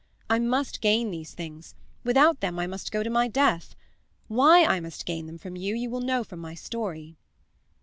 I must gain these things; without them I must go to my death. Why I must gain them you will know from my story."